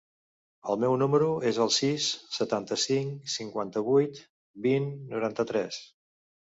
El meu número es el sis, setanta-cinc, cinquanta-vuit, vint, noranta-tres.